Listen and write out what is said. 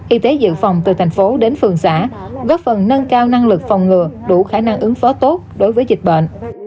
y tế dự phòng từ thành phố đến phường xã góp phần nâng cao năng lực phòng ngừa đủ khả năng ứng phó tốt đối với dịch bệnh